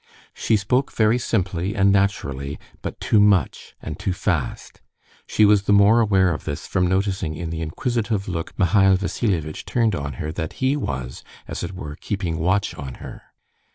She spoke very simply and naturally, but too much and too fast. She was the more aware of this from noticing in the inquisitive look Mihail Vassilievitch turned on her that he was, as it were, keeping watch on her.